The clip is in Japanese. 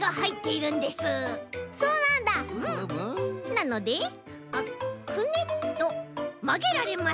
なのでくねっとまげられます。